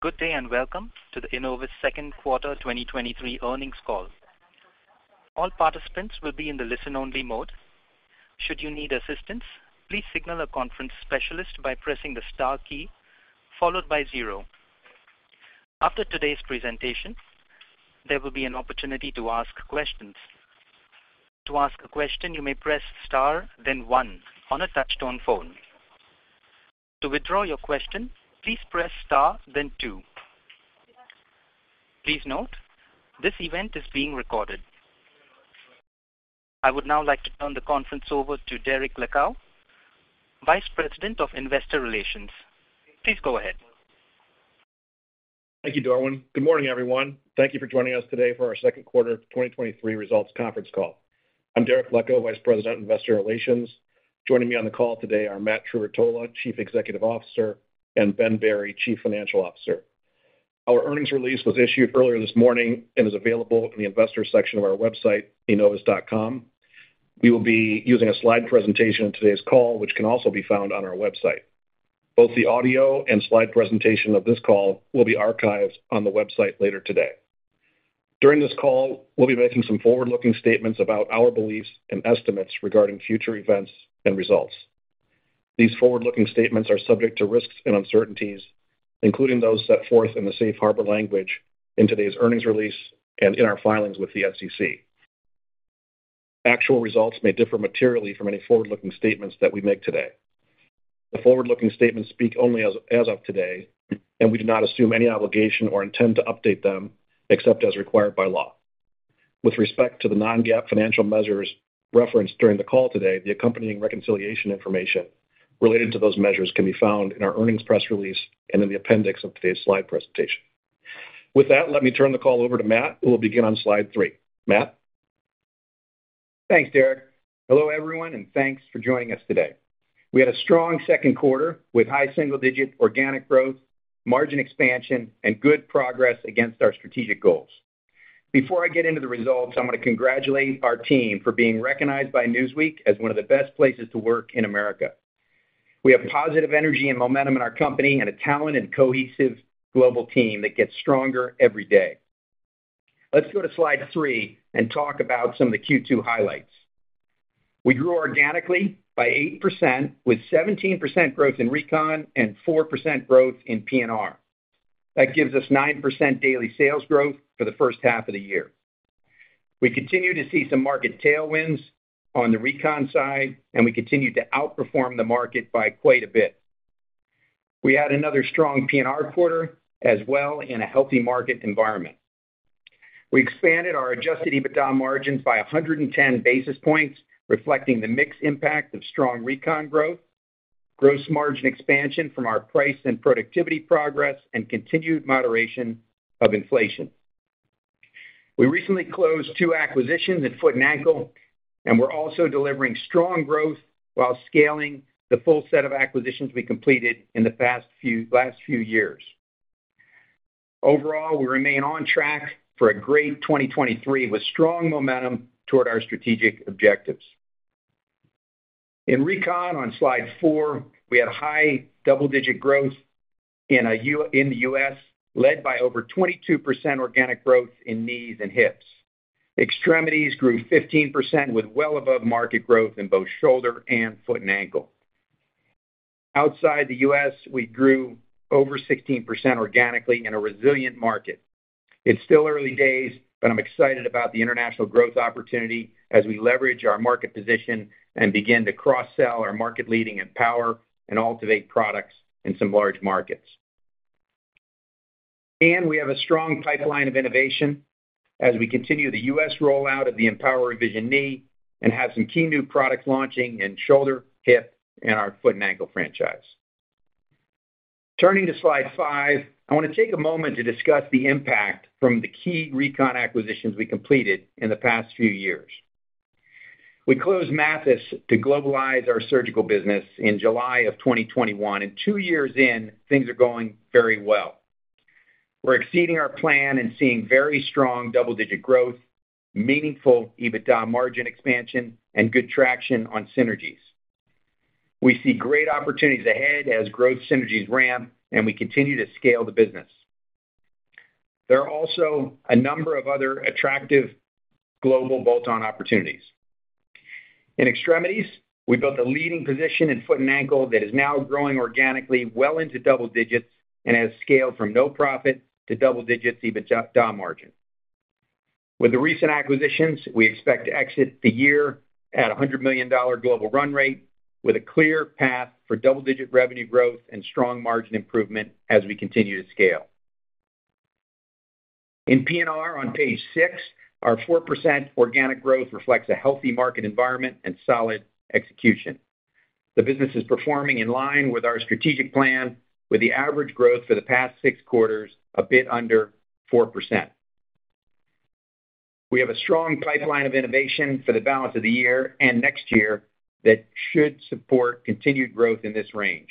Good day, and welcome to the Enovis Q2 2023 earnings call. All participants will be in the listen-only mode. Should you need assistance, please signal a conference specialist by pressing the Star key, followed by zero. After today's presentation, there will be an opportunity to ask questions. To ask a question, you may press Star, then one on a touchtone phone. To withdraw your question, please press Star, then two. Please note, this event is being recorded. I would now like to turn the conference over to Derek Leckow, Vice President of Investor Relations. Please go ahead. Thank you, Darwin. Good morning, everyone. Thank you for joining us today for our Q2 of 2023 results conference call. I'm Derek Leckow, Vice President, Investor Relations. Joining me on the call today are Matthew Trerotola, Chief Executive Officer, and Ben Berry, Chief Financial Officer. Our earnings release was issued earlier this morning and is available in the investor section of our website, enovis.com. We will be using a slide presentation on today's call, which can also be found on our website. Both the audio and slide presentation of this call will be archived on the website later today. During this call, we'll be making some forward-looking statements about our beliefs and estimates regarding future events and results. These forward-looking statements are subject to risks and uncertainties, including those set forth in the safe harbor language in today's earnings release and in our filings with the SEC. Actual results may differ materially from any forward-looking statements that we make today. The forward-looking statements speak only as of today, and we do not assume any obligation or intend to update them, except as required by law. With respect to the non-GAAP financial measures referenced during the call today, the accompanying reconciliation information related to those measures can be found in our earnings press release and in the appendix of today's slide presentation. With that, let me turn the call over to Matt, who will begin on slide 3. Matt? Thanks, Derek. Hello, everyone, and thanks for joining us today. We had a strong Q2 with high single-digit organic growth, margin expansion, and good progress against our strategic goals. Before I get into the results, I want to congratulate our team for being recognized by Newsweek as one of the best places to work in America. We have positive energy and momentum in our company and a talented and cohesive global team that gets stronger every day. Let's go to slide 3 and talk about some of the Q2 highlights. We grew organically by 8%, with 17% growth in Recon and 4% growth in PNR. That gives us 9% daily sales growth for the 1st half of the year. We continue to see some market tailwinds on the Recon side. We continue to outperform the market by quite a bit. We had another strong PNR quarter as well in a healthy market environment. We expanded our adjusted EBITDA margins by 110 basis points, reflecting the mix impact of strong Recon growth, gross margin expansion from our price and productivity progress, and continued moderation of inflation. We recently closed two acquisitions in foot and ankle, and we're also delivering strong growth while scaling the full set of acquisitions we completed in the last few years. Overall, we remain on track for a great 2023, with strong momentum toward our strategic objectives. In Recon, on slide 4, we had high double-digit growth in a U.S. in the U.S., led by over 22% organic growth in knees and hips. Extremities grew 15%, with well above market growth in both shoulder and foot and ankle. Outside the U.S., we grew over 16% organically in a resilient market. It's still early days, but I'm excited about the international growth opportunity as we leverage our market position and begin to cross-sell our market-leading EMPOWR and AltiVate products in some large markets. We have a strong pipeline of innovation as we continue the U.S. rollout of the EMPOWR Revision Knee and have some key new products launching in shoulder, hip, and our foot and ankle franchise. Turning to slide 5, I want to take a moment to discuss the impact from the key Recon acquisitions we completed in the past few years. We closed Mathys to globalize our surgical business in July 2021, and two years in, things are going very well. We're exceeding our plan and seeing very strong double-digit growth, meaningful EBITDA margin expansion, and good traction on synergies. We see great opportunities ahead as growth synergies ramp, and we continue to scale the business. There are also a number of other attractive global bolt-on opportunities. In extremities, we built a leading position in foot and ankle that is now growing organically, well into double digits, and has scaled from no profit to double-digit EBITDA margin. With the recent acquisitions, we expect to exit the year at a $100 million global run rate, with a clear path for double-digit revenue growth and strong margin improvement as we continue to scale. In PNR on page six, our 4% organic growth reflects a healthy market environment and solid execution. The business is performing in line with our strategic plan, with the average growth for the past six quarters a bit under 4%. We have a strong pipeline of innovation for the balance of the year and next year that should support continued growth in this range.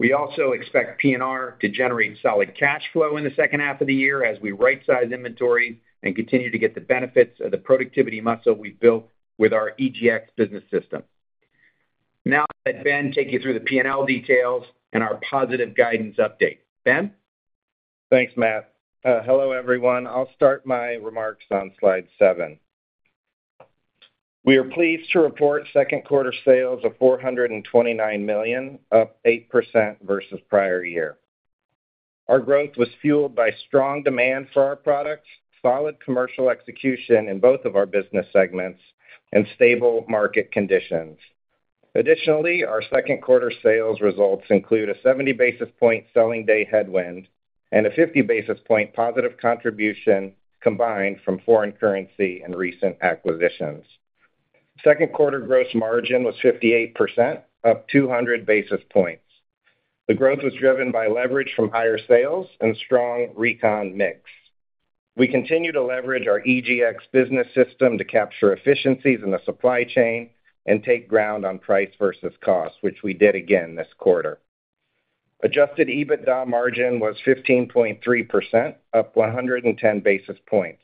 We also expect PNR to generate solid cash flow in the second half of the year as we right-size inventory and continue to get the benefits of the productivity muscle we've built with our EGX business system. I'll let Ben take you through the P&L details and our positive guidance update. Ben? Thanks, Matt. Hello, everyone. I'll start my remarks on slide 7. We are pleased to report Q2 sales of $429 million, up 8% versus prior year. Our growth was fueled by strong demand for our products, solid commercial execution in both of our business segments, and stable market conditions. Our Q2 sales results include a 70 basis point selling day headwind and a 50 basis point positive contribution combined from foreign currency and recent acquisitions. Q2 gross margin was 58%, up 200 basis points. The growth was driven by leverage from higher sales and strong Recon mix. We continue to leverage our EGX business system to capture efficiencies in the supply chain and take ground on price versus cost, which we did again this quarter. Adjusted EBITDA margin was 15.3%, up 110 basis points.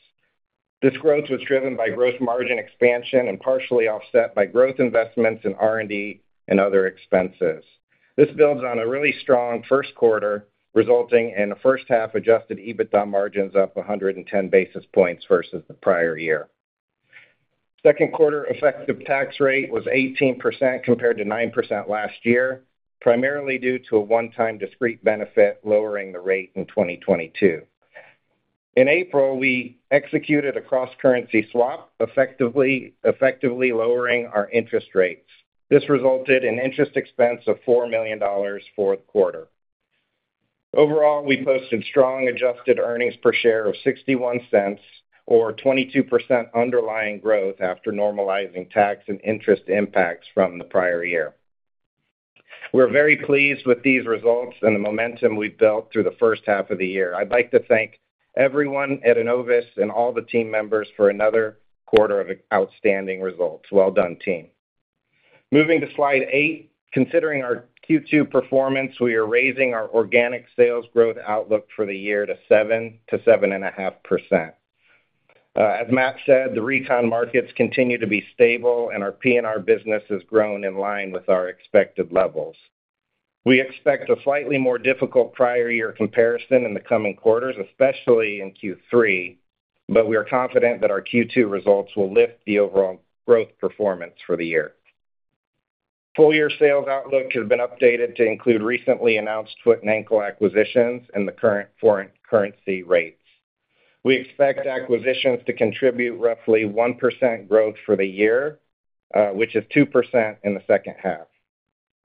This growth was driven by gross margin expansion and partially offset by growth investments in R&D and other expenses. This builds on a really strong Q1, resulting in a first-half adjusted EBITDA margins up 110 basis points versus the prior year. Q2 effective tax rate was 18%, compared to 9% last year, primarily due to a one-time discrete benefit, lowering the rate in 2022. In April, we executed a cross-currency swap, effectively, effectively lowering our interest rates. This resulted in interest expense of $4 million for the quarter. Overall, we posted strong adjusted earnings per share of $0.61, or 22% underlying growth after normalizing tax and interest impacts from the prior year. We're very pleased with these results and the momentum we've built through the first half of the year. I'd like to thank everyone at Enovis and all the team members for another quarter of outstanding results. Well done, team. Moving to slide 8, considering our Q2 performance, we are raising our organic sales growth outlook for the year to 7% to 7.5%. As Matt said, the Recon markets continue to be stable, and our PNR business has grown in line with our expected levels. We expect a slightly more difficult prior year comparison in the coming quarters, especially in Q3, but we are confident that our Q2 results will lift the overall growth performance for the year. Full year sales outlook has been updated to include recently announced foot and ankle acquisitions and the current foreign currency rates. We expect acquisitions to contribute roughly 1% growth for the year, which is 2% in the second half.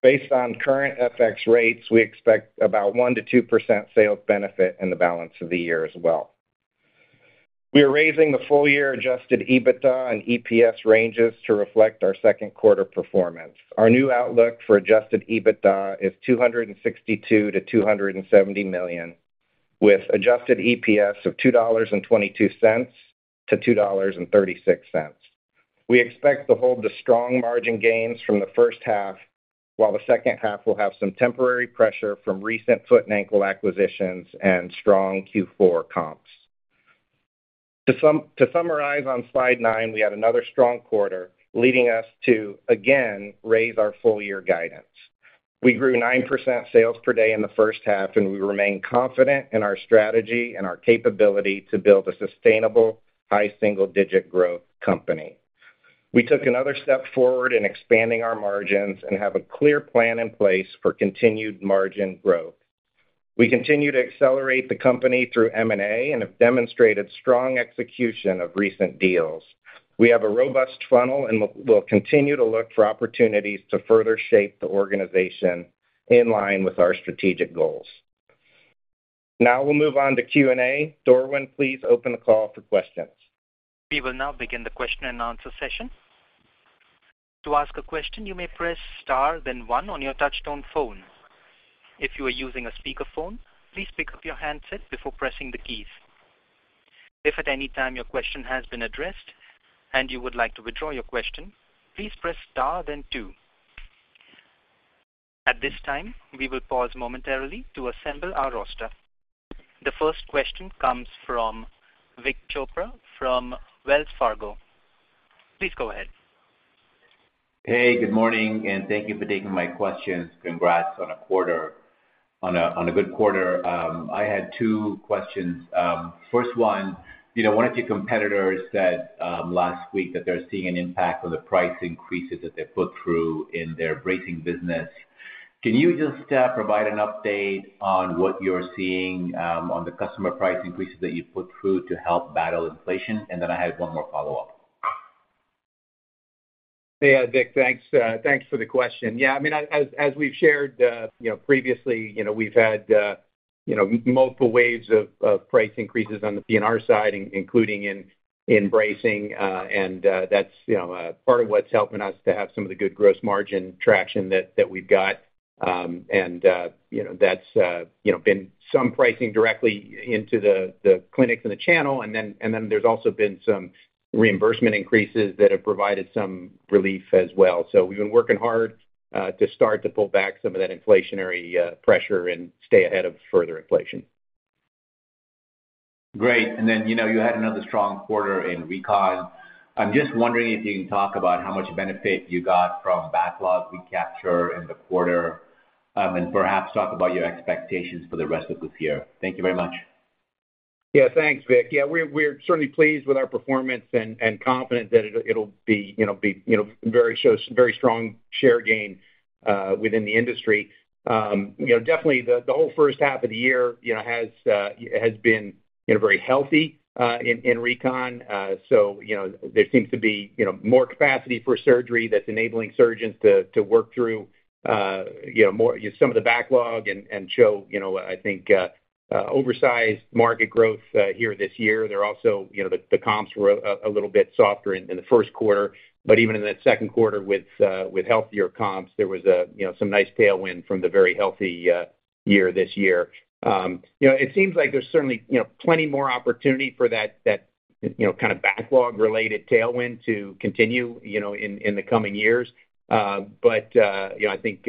Based on current FX rates, we expect about 1%-2% sales benefit in the balance of the year as well. We are raising the full year adjusted EBITDA and EPS ranges to reflect our Q2 performance. Our new outlook for adjusted EBITDA is $262 million-$270 million, with adjusted EPS of $2.22-$2.36. We expect to hold the strong margin gains from the first half, while the second half will have some temporary pressure from recent foot and ankle acquisitions and strong Q4 comps. To summarize on slide nine, we had another strong quarter, leading us to, again, raise our full year guidance. We grew 9% sales per day in the first half, and we remain confident in our strategy and our capability to build a sustainable, high single-digit growth company. We took another step forward in expanding our margins and have a clear plan in place for continued margin growth. We continue to accelerate the company through M&A and have demonstrated strong execution of recent deals. We have a robust funnel and we'll, we'll continue to look for opportunities to further shape the organization in line with our strategic goals. Now we'll move on to Q&A. Darwin, please open the call for questions. We will now begin the question and answer session. To ask a question, you may press Star, then one on your touchtone phone. If you are using a speakerphone, please pick up your handset before pressing the keys. If at any time your question has been addressed and you would like to withdraw your question, please press Star then two. At this time, we will pause momentarily to assemble our roster. The first question comes from Vic Chopra from Wells Fargo. Please go ahead. Hey, good morning, thank you for taking my questions. Congrats on a good quarter. I had two questions. First one, you know, one of your competitors said last week that they're seeing an impact on the price increases that they put through in their bracing business. Can you just provide an update on what you're seeing on the customer price increases that you've put through to help battle inflation? Then I have 1 more follow-up. Hey, Vic, thanks. Thanks for the question. Yeah, I mean, as, as we've shared, you know, previously, you know, we've had, you know, multiple waves of, of price increases on the PNR side, including in, in bracing, and that's, you know, part of what's helping us to have some of the good gross margin traction that, that we've got. And, you know, that's, you know, been some pricing directly into the, the clinics and the channel, and then, and then there's also been some reimbursement increases that have provided some relief as well. We've been working hard to start to pull back some of that inflationary pressure and stay ahead of further inflation. Great! You know, you had another strong quarter in Recon. I'm just wondering if you can talk about how much benefit you got from backlog recapture in the quarter, and perhaps talk about your expectations for the rest of this year. Thank you very much. Yeah, thanks, Vic. Yeah, we're, we're certainly pleased with our performance and, and confident that it'll, it'll be, you know, be, you know, very strong share gain within the industry. You know, definitely the whole first half of the year, you know, has been, you know, very healthy in Recon. You know, there seems to be, you know, more capacity for surgery that's enabling surgeons to, to work through, you know, more, some of the backlog and, and show, you know, I think, oversized market growth here this year. There are also, you know, the comps were a little bit softer in the Q1, but even in that Q2 with healthier comps, there was a, you know, some nice tailwind from the very healthy year, this year. You know, it seems like there's certainly, you know, plenty more opportunity for that, that, you know, kind of backlog-related tailwind to continue, you know, in, in the coming years. But, you know, I think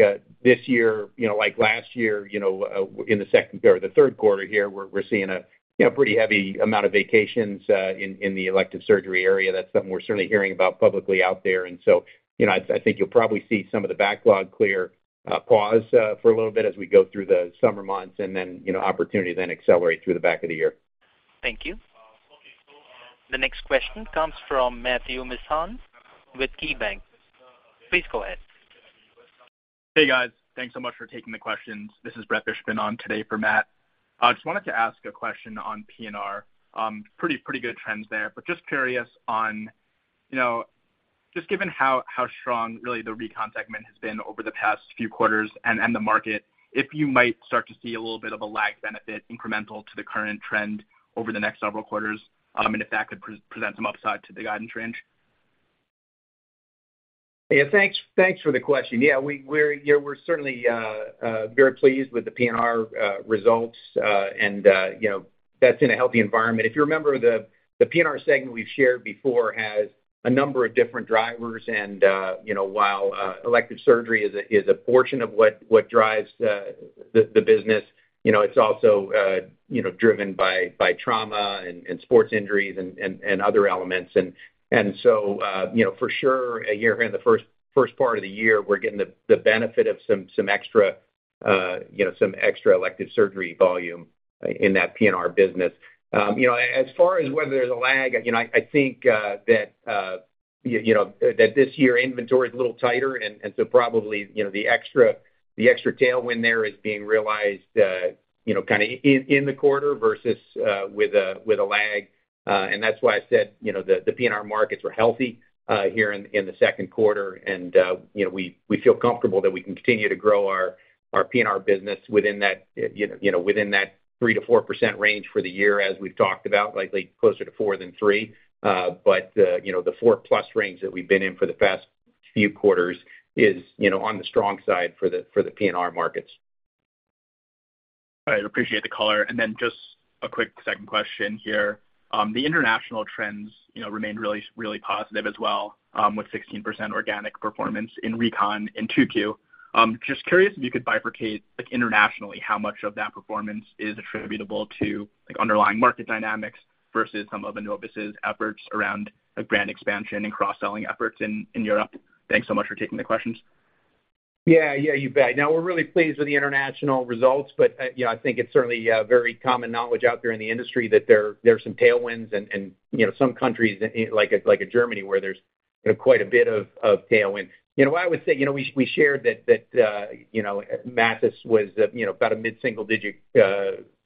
this year, you know, like last year, you know, in the second or the Q3 here, we're, we're seeing a, you know, pretty heavy amount of vacations in, in the elective surgery area. That's something we're certainly hearing about publicly out there. You know, I, I think you'll probably see some of the backlog clear, pause for a little bit as we go through the summer months, and then, you know, opportunity then accelerate through the back of the year. Thank you. The next question comes from Matthew Mishan with KeyBanc. Please go ahead. Hey, guys. Thanks so much for taking the questions. This is Brett Fishbein on today for Matt. I just wanted to ask a question on PNR. Pretty, pretty good trends there, but just curious on, you know, just given how, how strong really the Recon segment has been over the past few quarters and, and the market, if you might start to see a little bit of a lag benefit incremental to the current trend over the next several quarters, and if that could pre-present some upside to the guidance range? Yeah, thanks, thanks for the question. We're, you know, we're certainly very pleased with the PNR results. You know, that's in a healthy environment. If you remember, the PNR segment we've shared before has a number of different drivers, and, you know, while elective surgery is a portion of what drives the business, you know, it's also, you know, driven by trauma and sports injuries and other elements. So, you know, for sure, here in the first part of the year, we're getting the benefit of some extra, you know, some extra elective surgery volume in that PNR business. You know, as far as whether there's a lag, you know, I, I think that, you know, that this year inventory is a little tighter, and, and so probably, you know, the extra, the extra tailwind there is being realized, you know, kind of in, in the quarter versus, with a, with a lag. That's why I said, you know, the PNR markets were healthy here in the Q2, and, you know, we, we feel comfortable that we can continue to grow our PNR business within that, you know, you know, within that 3%-4% range for the year, as we've talked about, likely closer to four than three. You know, the 4+ range that we've been in for the past few quarters is, you know, on the strong side for the, for the PNR markets. All right, appreciate the color. Then just a quick second question here. The international trends, you know, remained really, really positive as well, with 16% organic performance in Recon in 2Q. Just curious if you could bifurcate, like internationally, how much of that performance is attributable to, like, underlying market dynamics versus some of Enovis' efforts around, like, brand expansion and cross-selling efforts in, in Europe? Thanks so much for taking the questions. Yeah, yeah, you bet. No, we're really pleased with the international results, but, you know, I think it's certainly very common knowledge out there in the industry that there, there are some tailwinds and, and, you know, some countries, like a, like a Germany, where there's, you know, quite a bit of, of tailwind. You know, I would say, you know, we, we shared that, that, you know, Mathys was, you know, about a mid-single digit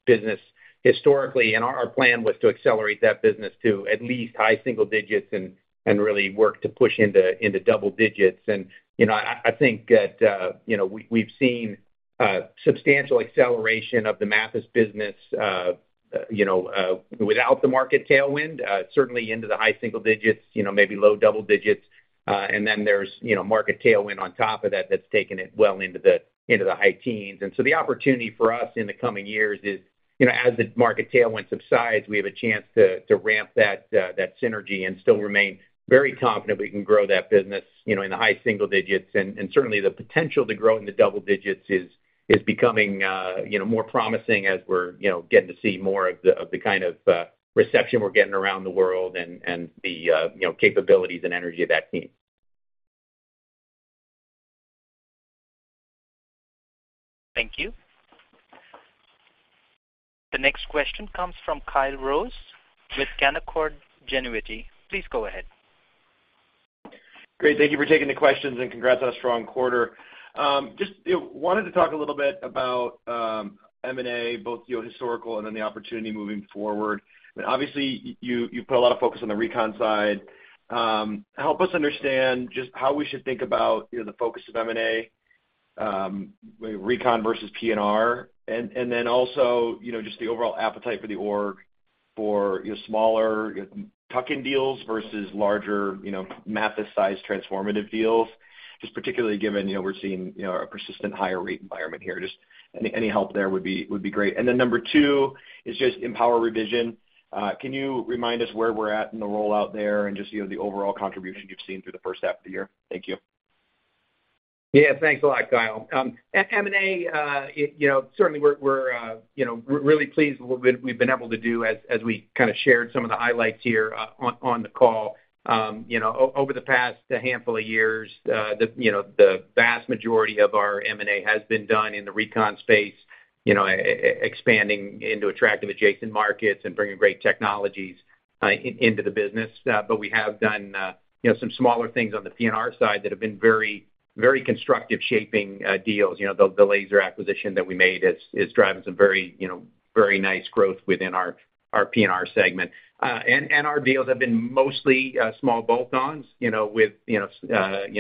business historically, and our, our plan was to accelerate that business to at least high single digits and, and really work to push into, into double digits. You know, I, I think that, you know, we, we've seen substantial acceleration of the Mathys business, you know, without the market tailwind, certainly into the high single digits, you know, maybe low double digits. There's, you know, market tailwind on top of that, that's taken it well into the, into the high teens. The opportunity for us in the coming years is, you know, as the market tailwind subsides, we have a chance to, to ramp that synergy and still remain very confident we can grow that business, you know, in the high single digits. Certainly the potential to grow in the double digits is, is becoming, you know, more promising as we're, you know, getting to see more of the, of the kind of reception we're getting around the world and, and the, you know, capabilities and energy of that team. Thank you. The next question comes from Kyle Rose with Canaccord Genuity. Please go ahead. Great. Thank you for taking the questions, and congrats on a strong quarter. Just, you know, wanted to talk a little bit about M&A, both, you know, historical and then the opportunity moving forward. Obviously, you, you put a lot of focus on the Recon side. Help us understand just how we should think about, you know, the focus of M&A, Recon versus PNR, and then also, you know, just the overall appetite for the org, for, you know, smaller tuck-in deals versus larger, you know, Mathys-sized transformative deals, just particularly given, you know, we're seeing, you know, a persistent higher rate environment here. Just any, any help there would be, would be great. Then number two is just EMPOWR Revision. Can you remind us where we're at in the rollout there and just, you know, the overall contribution you've seen through the first half of the year? Thank you. Yeah, thanks a lot, Kyle. M&A, you know, certainly we're, we're, you know, we're really pleased with what we've, we've been able to do as, as we kind of shared some of the highlights here on the call. You know, over the past handful of years, the, you know, the vast majority of our M&A has been done in the Recon space, you know, expanding into attractive adjacent markets and bringing great technologies into the business. We have done, you know, some smaller things on the PNR side that have been very, very constructive shaping deals. You know, the laser acquisition that we made is, is driving some very, you know, very nice growth within our PNR segment. And our deals have been mostly, small bolt-ons, you know, with, you know,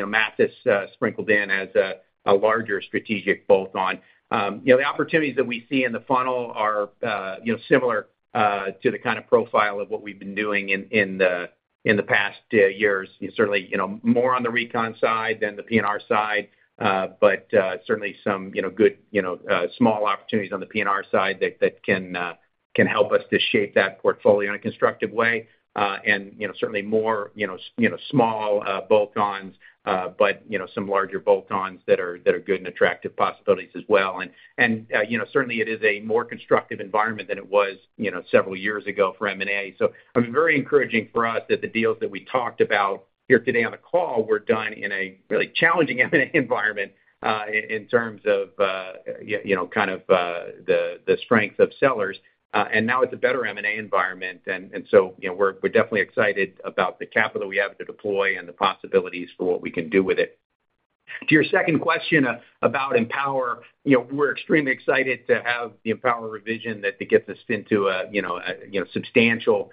Mathys, sprinkled in as a, a larger strategic bolt-on. You know, the opportunities that we see in the funnel are, you know, similar, to the kind of profile of what we've been doing in, in the, in the past, years. Certainly, you know, more on the Recon side than the PNR side, but, certainly some, you know, good, you know, small opportunities on the PNR side that, that can, can help us to shape that portfolio in a constructive way. You know, certainly more, you know, small, bolt-ons, but, you know, some larger bolt-ons that are, that are good and attractive possibilities as well. You know, certainly it is a more constructive environment than it was, you know, several years ago for M&A. I mean, very encouraging for us that the deals that we talked about here today on the call were done in a really challenging M&A environment, in terms of, you know, kind of, the, the strength of sellers. Now it's a better M&A environment, and so, you know, we're, we're definitely excited about the capital we have to deploy and the possibilities for what we can do with it. To your second question about EMPOWR, you know, we're extremely excited to have the EMPOWR Revision that it gets us into a, you know, a, you know, substantial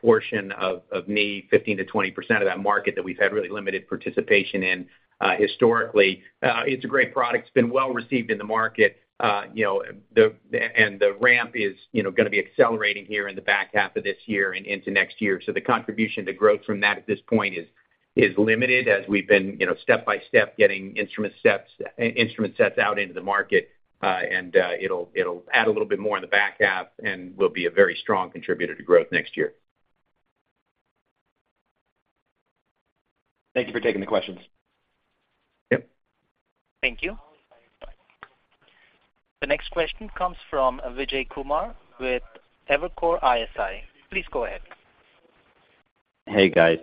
portion of, of knee, 15%-20% of that market that we've had really limited participation in, historically. It's a great product. It's been well received in the market. you know, and the ramp is, you know, gonna be accelerating here in the back half of this year and into next year. The contribution to growth from that, at this point, is, is limited as we've been, you know, step-by-step getting instrument steps, instrument sets out into the market. it'll, it'll add a little bit more in the back half and will be a very strong contributor to growth next year. Thank you for taking the questions. Yep. Thank you. The next question comes from Vijay Kumar with Evercore ISI. Please go ahead. Hey, guys.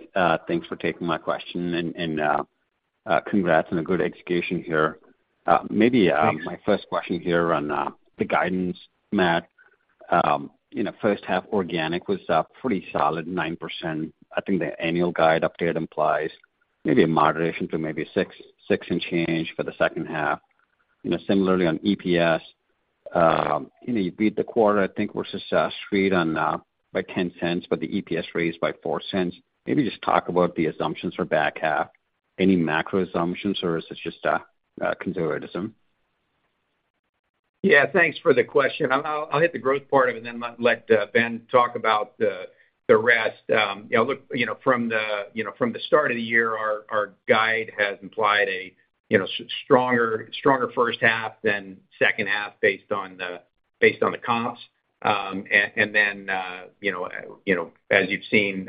Thanks for taking my question, and congrats on a good execution here. Maybe my first question here on the guidance, Matt. You know, first half organic was pretty solid, 9%. I think the annual guide update implies maybe a moderation to maybe 6%, 6% and change for the second half. You know, similarly on EPS, you know, you beat the quarter, I think versus Street on by $0.10, but the EPS raised by $0.04. Maybe just talk about the assumptions for back half. Any macro assumptions, or is this just conservatism? Yeah, thanks for the question. I'll, I'll hit the growth part of it and then let, let Ben talk about the rest. You know, look, you know, from the, you know, from the start of the year, our, our guide has implied a, you know, stronger, stronger first half than second half, based on the, based on the comps. Then, you know, you know, as you've seen,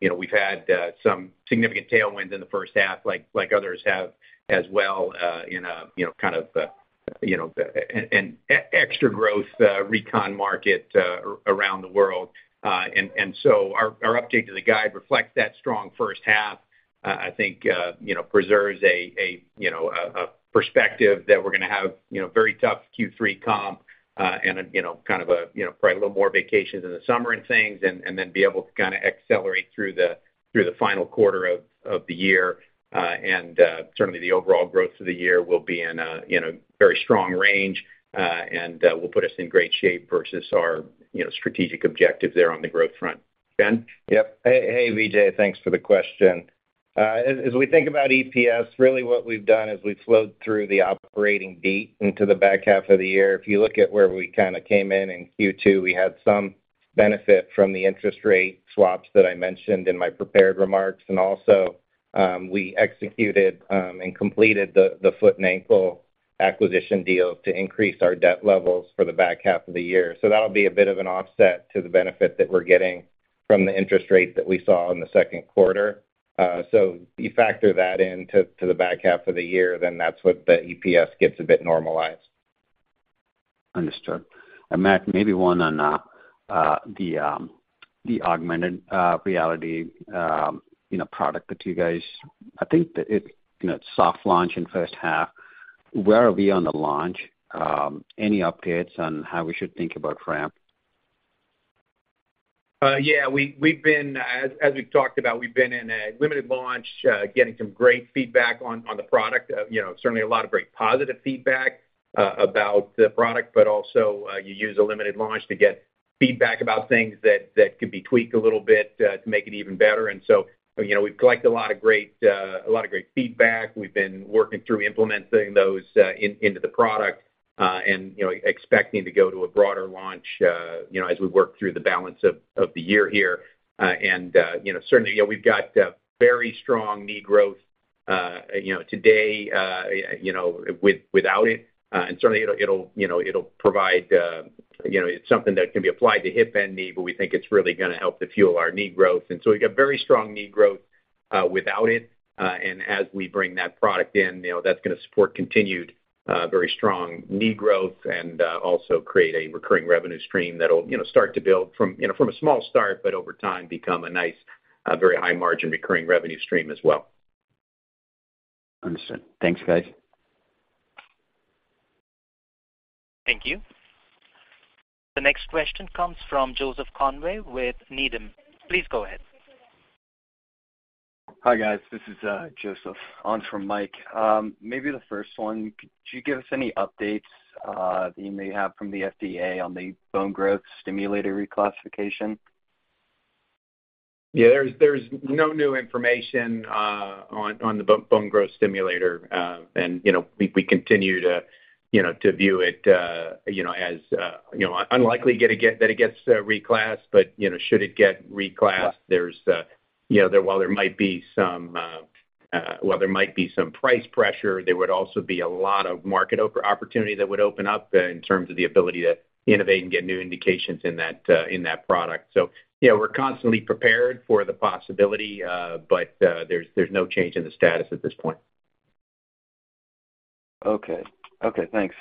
you know, we've had some significant tailwinds in the first half, like, like others have as well, in a, you know, kind of, you know, an extra growth Recon market, around the world. So our, our update to the guide reflects that strong first half. I think, you know, preserves a, a, you know, a, a perspective that we're gonna have, you know, very tough Q3 comp, and, you know, kind of a, you know, probably a little more vacations in the summer and things, and, and then be able to kind of accelerate through the, through the final quarter of, of the year. Certainly, the overall growth for the year will be in a, in a very strong range, and, will put us in great shape versus our, you know, strategic objective there on the growth front. Ben? Yep. Hey, hey, Vijay, thanks for the question. As we think about EPS, really what we've done is we've flowed through the operating beat into the back half of the year. If you look at where we kind of came in, in Q2, we had some benefit from the interest rate swaps that I mentioned in my prepared remarks. Also, we executed and completed the foot and ankle acquisition deal to increase our debt levels for the back half of the year. That'll be a bit of an offset to the benefit that we're getting from the interest rate that we saw in the Q2. You factor that in to the back half of the year, that's what the EPS gets a bit normalized. Understood. Matt, maybe one on the, the augmented reality, you know, product that you guys... I think that it, you know, it soft launched in first half. Where are we on the launch? Any updates on how we should think about ramp? Yeah, we, we've been, as, as we've talked about, we've been in a limited launch, getting some great feedback on, on the product. You know, certainly a lot of very positive feedback about the product, but also, you use a limited launch to get feedback about things that, that could be tweaked a little bit to make it even better. You know, we've collected a lot of great, a lot of great feedback. We've been working through implementing those into the product, and, you know, expecting to go to a broader launch, you know, as we work through the balance of, of the year here. Uh, and, uh, you know, certainly, you know, we've got, uh, very strong knee growth, uh, you know, today, uh, you know, with- without it, uh, and certainly, it'll, it'll, you know, it'll provide, uh, you know, it's something that can be applied to hip and knee, but we think it's really gonna help to fuel our knee growth. And so we've got very strong knee growth.... uh, without it. Uh, and as we bring that product in, you know, that's gonna support continued, uh, very strong knee growth and, uh, also create a recurring revenue stream that'll, you know, start to build from, you know, from a small start, but over time, become a nice, uh, very high margin recurring revenue stream as well. Understood. Thanks, guys. Thank you. The next question comes from Joseph Conway with Needham. Please go ahead. Hi, guys. This is Joseph, on for Mike. Maybe the first one, could you give us any updates that you may have from the FDA on the bone growth stimulator reclassification? Yeah, there's, there's no new information on, on the bone growth stimulator. And, you know, we, we continue to, you know, to view it, you know, as, you know, unlikely get, that it gets, reclassed. You know, should it get reclassed, there's, you know, there, while there might be some, while there might be some price pressure, there would also be a lot of market opportunity that would open up in terms of the ability to innovate and get new indications in that, in that product. You know, we're constantly prepared for the possibility, but, there's, there's no change in the status at this point. Okay. Okay, thanks.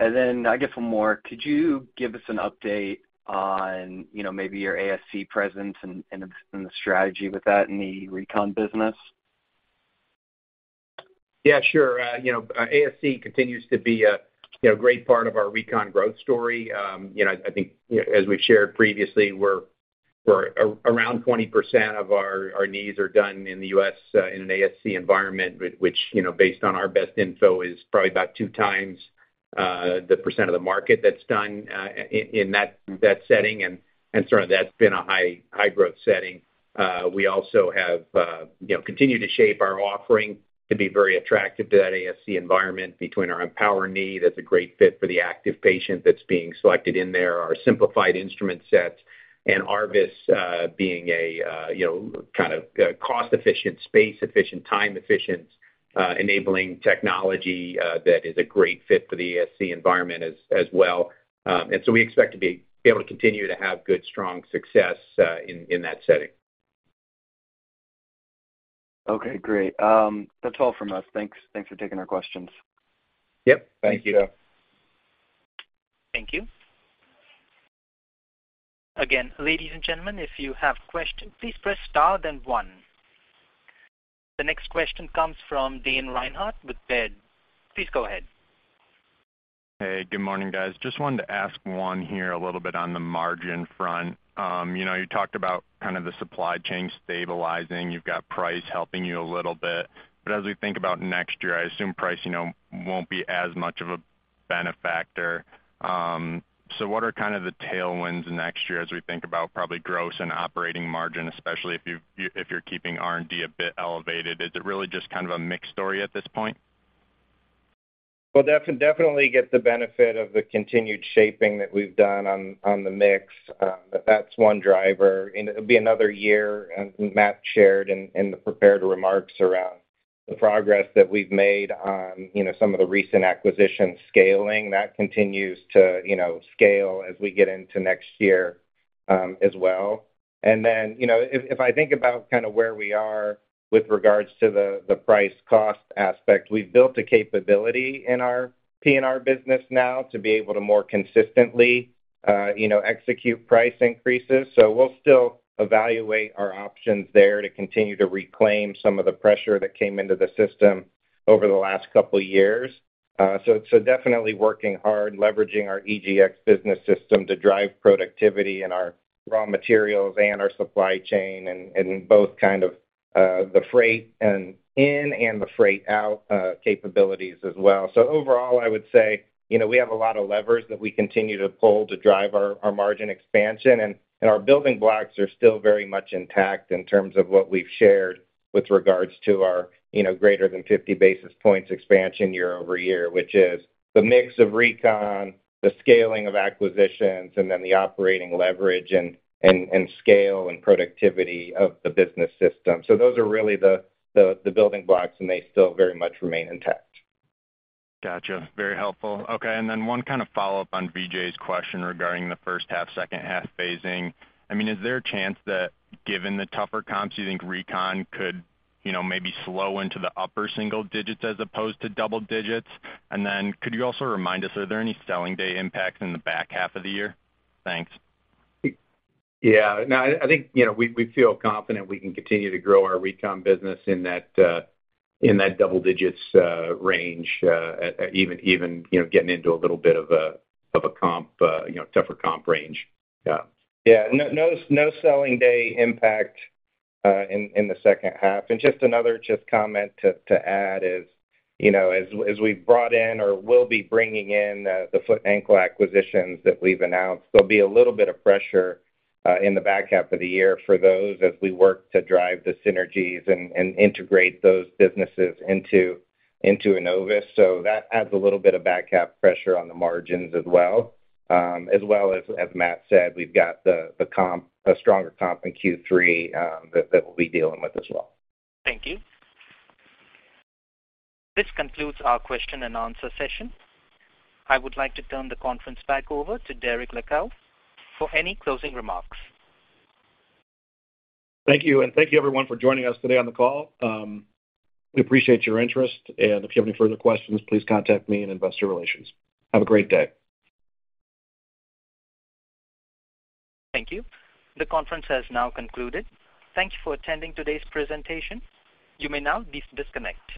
Then I guess one more: Could you give us an update on, you know, maybe your ASC presence and the strategy with that in the Recon business? Yeah, sure. you know, ASC continues to be a, you know, great part of our Recon growth story. you know, I think, you know, as we've shared previously, we're, we're around 20% of our, our knees are done in the US, in an ASC environment, which, you know, based on our best info, is probably about 2 times, the percent of the market that's done, in, in that, that setting. So that's been a high, high-growth setting. We also have, you know, continued to shape our offering to be very attractive to that ASC environment between our EMPOWR Knee. That's a great fit for the active patient that's being selected in there. Our simplified instrument sets and ARVIS, being a, you know, kind of, cost-efficient, space-efficient, time-efficient, enabling technology, that is a great fit for the ASC environment as, as well. So we expect to be able to continue to have good, strong success, in, in that setting. Okay, great. That's all from us. Thanks. Thanks for taking our questions. Yep. Thank you. Thank you. Again, ladies and gentlemen, if you have questions, please press star then one. The next question comes from Dane Reinhart with Baird. Please go ahead. Hey, good morning, guys. Just wanted to ask one here, a little bit on the margin front. You know, you talked about kind of the supply chain stabilizing. You've got price helping you a little bit, but as we think about next year, I assume price, you know, won't be as much of a benefactor. What are kind of the tailwinds next year as we think about probably gross and operating margin, especially if you're keeping R&D a bit elevated? Is it really just kind of a mixed story at this point? We'll definitely get the benefit of the continued shaping that we've done on, on the mix. That's one driver. It'll be another year, as Matt shared in, in the prepared remarks, around the progress that we've made on, you know, some of the recent acquisitions scaling. That continues to, you know, scale as we get into next year, as well. Then, you know, if, if I think about kind of where we are with regards to the, the price cost aspect, we've built a capability in our PNR business now to be able to more consistently, you know, execute price increases. We'll still evaluate our options there to continue to reclaim some of the pressure that came into the system over the last couple years. Definitely working hard, leveraging our EGX business system to drive productivity in our raw materials and our supply chain, and both kind of, the freight and in and the freight out, capabilities as well. Overall, I would say, you know, we have a lot of levers that we continue to pull to drive our, our margin expansion, and our building blocks are still very much intact in terms of what we've shared with regards to our, you know, greater than 50 basis points expansion year-over-year, which is the mix of Recon, the scaling of acquisitions, and then the operating leverage and scale and productivity of the business system. Those are really the, the, the building blocks, and they still very much remain intact. Gotcha. Very helpful. Okay, then one kind of follow-up on Vijay's question regarding the 1st half, 2nd half phasing. I mean, is there a chance that, given the tougher comps, you think Recon could, you know, maybe slow into the upper single digits as opposed to double digits? Then could you also remind us, are there any selling day impacts in the back half of the year? Thanks. Yeah. No, I, I think, you know, we, we feel confident we can continue to grow our Recon business in that in that double digits range, even, even, you know, getting into a little bit of a, of a comp, you know, tougher comp range. Yeah. Yeah. No, no selling day impact in, in the second half. Just another just comment to, to add is, you know, as, as we've brought in or will be bringing in the, the foot ankle acquisitions that we've announced, there'll be a little bit of pressure in the back half of the year for those, as we work to drive the synergies and, and integrate those businesses into, into Enovis. That adds a little bit of back half pressure on the margins as well. As well as, as Matt said, we've got the, the comp, a stronger comp in Q3, that, that we'll be dealing with as well. Thank you. This concludes our question and answer session. I would like to turn the conference back over to Derek Leckow for any closing remarks. Thank you, thank you, everyone, for joining us today on the call. We appreciate your interest, and if you have any further questions, please contact me in Investor Relations. Have a great day. Thank you. The conference has now concluded. Thank you for attending today's presentation. You may now disconnect.